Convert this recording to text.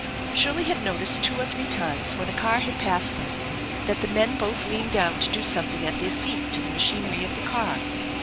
Shirley had noticed two or three times when a car had passed them that the men both leaned down to do something at their feet to the machinery of the car.